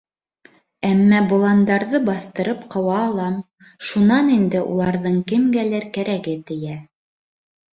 Әммә боландарҙы баҫтырып ҡыуа алам, шунан инде уларҙың кемгәлер кәрәге тейә.